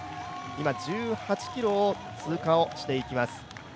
今、１８ｋｍを通過していきます。